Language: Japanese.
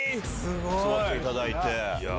座っていただいて。